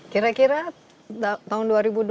kira kira tahun dua ribu dua puluh dua ribu dua puluh dua